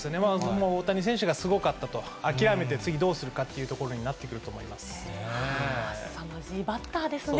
もう大谷選手がすごかったと、諦めて次、どうするかってところすさまじいバッターですね。